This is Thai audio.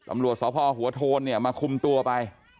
ตำรวจสพหัวโทนเนี่ยมาคุมตัวไป